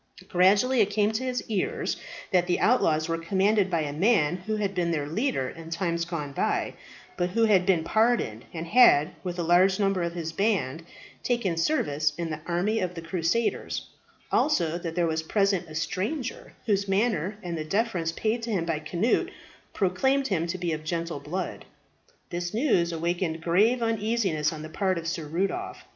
Gradually it came to his ears that the outlaws were commanded by a man who had been their leader in times gone by, but who had been pardoned, and had, with a large number of his band, taken service in the army of the crusaders; also, that there was present a stranger, whose manner and the deference paid to him by Cnut proclaimed him to be of gentle blood. This news awakened grave uneasiness on the part of Sir Rudolph.